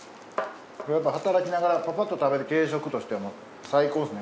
働きながらパパッと食べる軽食としても最高ですね